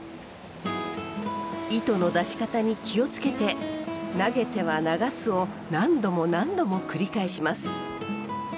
糸の出し方に気をつけて投げては流すを何度も何度も繰り返します。